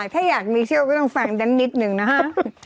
ถ้าอยากมีเชี่ยวก็ต้องฟังสิมนิดนึงจนนะคะ